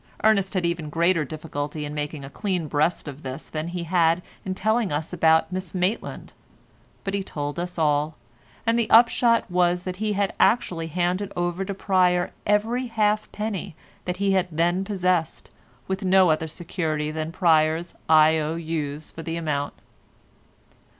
Ernest had even greater difficulty in making a clean breast of this than he had had in telling us about Miss Maitland, but he told us all, and the upshot was that he had actually handed over to Pryer every halfpenny that he then possessed with no other security than Pryer's I.O.U.'s for the amount.